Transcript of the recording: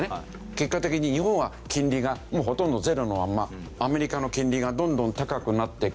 結果的に日本は金利がほとんどゼロのままアメリカの金利がどんどん高くなってくる。